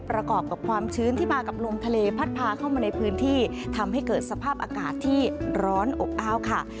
ประกอบกับความชื้นที่มากับลมทะเลพัดพาเข้ามาในพื้นที่ทำให้เกิดสภาพอากาศที่ร้อนอบอ้าวค่ะ